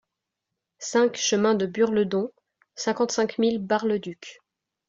cinq chemin de Burledon, cinquante-cinq mille Bar-le-Duc